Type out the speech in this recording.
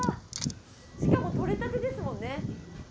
しかも獲れたてですもんね。